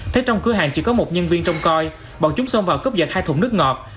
thế trong cửa hàng chỉ có một nhân viên trong coi bọn chúng xông vào cướp giật hai thùng nước ngọt